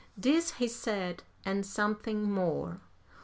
This he said, and something more.